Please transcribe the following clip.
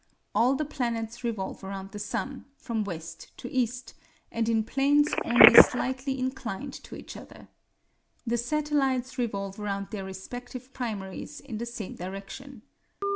All the planets revolve around the sun, from west to east, and in planes only slightly inclined to each other. The satellites revolve around their respective primaries in the same direction.